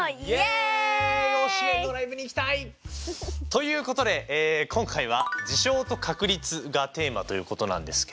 推しメンのライブに行きたい！ということで今回は「事象と確率」がテーマということなんですけど。